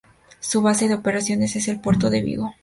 Su base de operaciones es el puerto de Vigo.